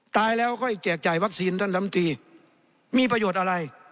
ตายแล้วค่อยแจกจ่ายวัคซีนท่านลำตีมีประโยชน์อะไร